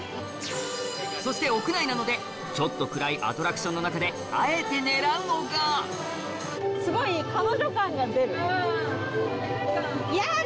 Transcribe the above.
そして屋内なのでちょっと暗いアトラクションの中であえて狙うのがやだ！